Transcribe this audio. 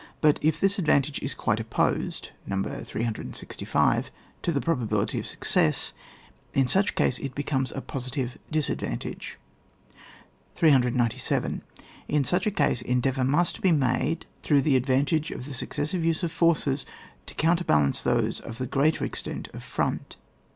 But if this advantage is quite opposed (No. 365) to the probability of success, in such case it becomes a posi tive disadvantage. 397. In such a case, endeavour must be made, through the advantage of the successive use of forces, to counterbckl ance those of the gpreater extent of front.